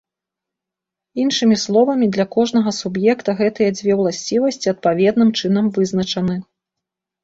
Іншымі словамі, для кожнага суб'екта гэтыя дзве ўласцівасці адпаведным чынам вызначаны.